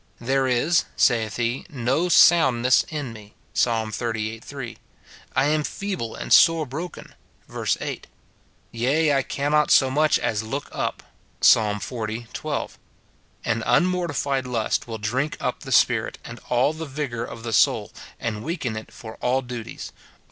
"There is," saith he, "no soundness in me," Psa. xxxviii. 3; "I am feeble and sore broken," verse 8; "yea, I cannot so much as look up," Psa. xl. 12. An unmortified lust will drink up the spirit, and all the vigour of the soul, and weaken it for all duties.